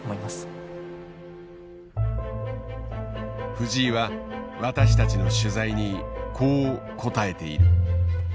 藤井は私たちの取材にこう答えている。